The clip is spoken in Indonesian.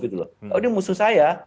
ini musuh saya